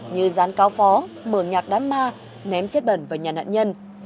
như dán cao phó mở nhạc đám ma ném chết bẩn vào nhà nạn nhân